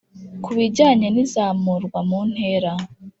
ku bijyanye n’izamurwa mu ntera